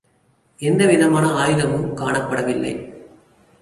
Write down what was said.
எந்த விதமான ஆயுதமும் காணப்படவில்லை.